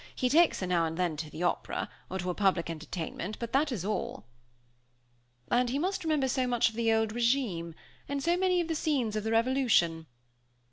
He takes her now and then to the Opera, or to a public entertainment; but that is all." "And he must remember so much of the old régime, and so many of the scenes of the revolution!"